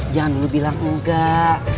jangan dulu bilang enggak